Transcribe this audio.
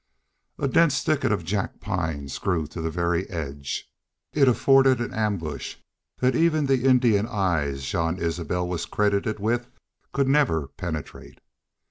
A dense thicket of jack pines grew to the very edge. It afforded an ambush that even the Indian eyes Jean Isbel was credited with could never penetrate.